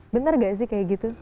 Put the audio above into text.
bener gak sih kayak gitu